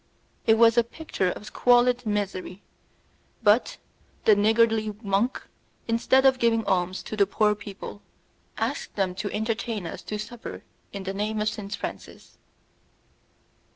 It was a picture of squalid misery; but the niggardly monk, instead of giving alms to the poor people, asked them to entertain us to supper in the name of Saint Francis.